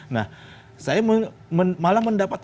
nah saya malah mendapat